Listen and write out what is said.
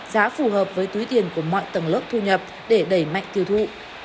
giá phù hợp với túi tiền của mọi tầng lớp thu nhập để đẩy mạnh tiêu thụ